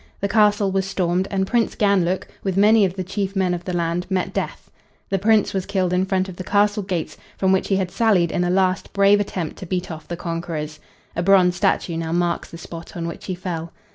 The castle was stormed, and Prince Ganlook, with many of the chief men of the land, met death. The prince was killed in front of the castle gates, from which he had sallied in a last, brave attempt to beat off the conquerors. A bronze statue now marks the spot on which he fell.